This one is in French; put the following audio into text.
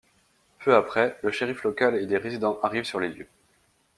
Peu après, le shérif local et des résidents arrivent sur les lieux.